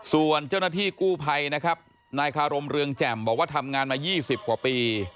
ส่วนเจ้าหน้าที่กู้ภัยนะครับนายคารมเรืองแจ่มบอกว่าทำงานมา๒๐กว่าปี